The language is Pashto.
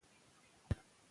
اوبه زموږ تېل دي.